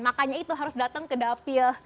makanya itu harus datang ke dapil